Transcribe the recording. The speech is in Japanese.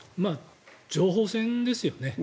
情報戦ですよね。